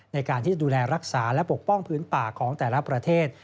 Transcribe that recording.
ในการที่จะดูแลรักษาและปกป้องพื้นป่าของแต่ละประเทศ